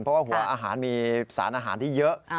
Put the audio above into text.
เพราะว่าหัวอาหารมีสารอาหารที่เยอะ